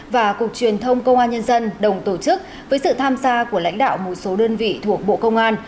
và cục truyền thông công an nhân dân đồng tổ chức với sự tham gia của lãnh đạo một số đơn vị thuộc bộ công an